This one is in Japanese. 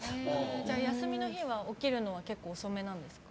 休みの日は起きるのは結構遅めなんですか。